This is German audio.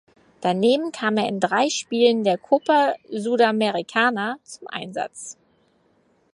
Daneben kam er in drei Spielen der Copa Sudamericana zum Einsatz.